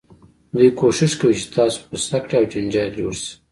دوی کوښښ کوي چې تاسو غوسه کړي او جنجال جوړ شي.